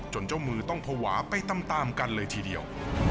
เจ้ามือต้องภาวะไปตามกันเลยทีเดียว